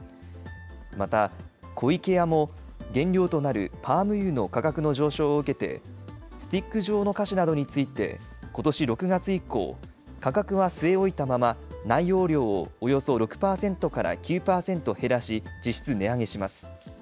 また、湖池屋も、原料となるパーム油の価格の上昇を受けて、スティック状の菓子などについて、ことし６月以降、価格は据え置いたまま、内容量をおよそ６％から９％減らし、実質値上げします。